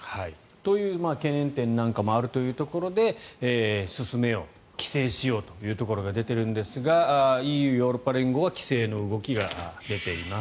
という懸念点なんかもあるというところで進めようとか規制しようというところが出てるんですがＥＵ・ヨーロッパ連合は規制の動きが出ています。